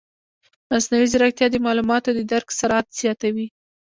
مصنوعي ځیرکتیا د معلوماتو د درک سرعت زیاتوي.